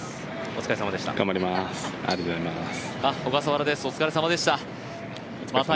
お疲れ様でした。